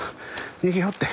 逃げようって。